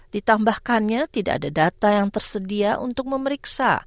ditambahkannya tidak ada data yang tersedia untuk memeriksa